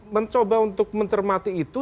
mencoba untuk mencermati itu